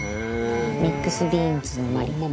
ミックスビーンズのマリネ。